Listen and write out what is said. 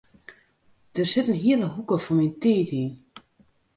Dêr sit in hiele hoeke fan myn tiid yn.